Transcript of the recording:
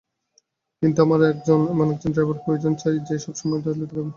কিন্তু আমার এমন একজন ড্রাইভার চাই যে সবসময় জেগে থাকবে।